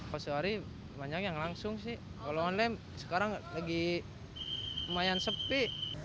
kalau sehari banyak yang langsung sih kalau online sekarang lagi lumayan sepi